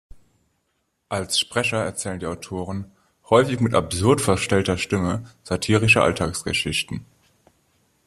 Als Sprecher erzählen die Autoren, häufig mit absurd verstellter Stimme, satirische Alltagsgeschichten.